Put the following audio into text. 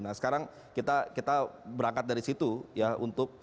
nah sekarang kita berangkat dari situ